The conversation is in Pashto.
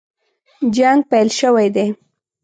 جنګ پیل شوی دی.